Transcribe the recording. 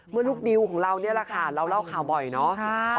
ลูกดิวของเรานี่แหละค่ะเราเล่าข่าวบ่อยเนาะ